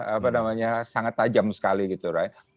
apa namanya sangat tajam sekali gitu ya